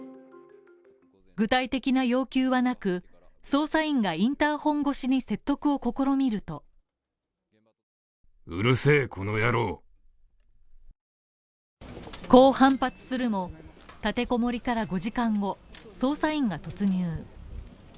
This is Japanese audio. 具体的な要求はなく捜査員がインターホン越しに説得を試みるとこう反発するも、立て籠もりから５時間後、捜査員が突入。